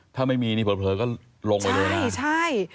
ถ้าไม่มีนี่เผลอก็ลงไปเลยนะนี่ใช่